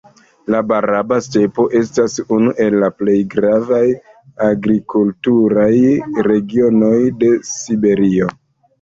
La Baraba-stepo estas unu el la plej gravaj agrikulturaj regionoj de Siberio.